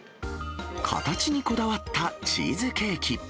形にこだわったチーズケーキ。